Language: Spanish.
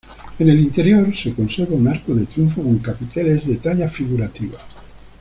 En el interior se conserva un arco de triunfo con capiteles de talla figurativa.